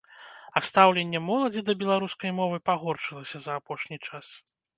А стаўленне моладзі да беларускай мовы пагоршылася за апошні час.